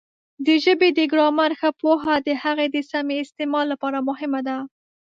د ژبې د ګرامر ښه پوهه د هغې د سمې استعمال لپاره مهمه ده.